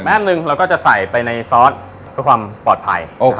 หนึ่งเราก็จะใส่ไปในซอสเพื่อความปลอดภัย